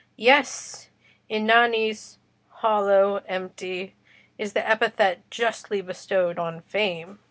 Yes, 'inanis'—hollow, empty—is the epithet justly bestowed on Fame."